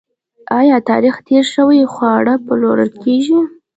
آیا تاریخ تیر شوي خواړه پلورل کیږي؟